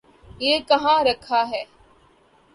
یہ کہاں رکھا ہے؟